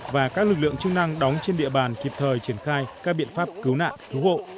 và các lực lượng chức năng đóng trên địa bàn kịp thời triển khai các biện pháp cứu nạn cứu hộ